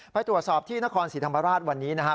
ไปตรวจสอบที่นครศรีธรรมราชวันนี้นะครับ